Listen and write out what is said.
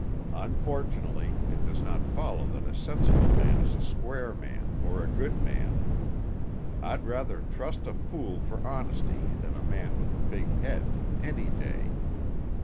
Unfortunately, it does not follow that a sensible man is a square man or a good man. I'd rather trust a fool for honesty than a man with a big head, any day.